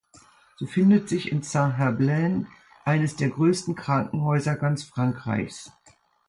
So findet sich in Saint-Herblain eines der größten Krankenhäuser ganz Frankreichs.